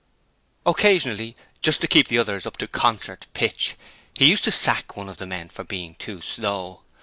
Occasionally, just to keep the others up to concert pitch, he used to sack one of the men for being too slow.